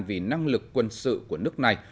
vì năng lực quân sự của nước này